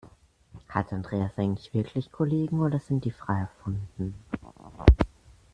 Hat Andreas eigentlich wirklich Kollegen, oder sind die frei erfunden?